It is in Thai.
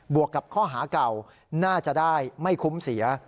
วกกับข้อหาเก่าน่าจะได้ไม่คุ้มเสีย